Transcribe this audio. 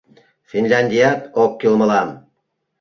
Финляндият ок кӱл мылам!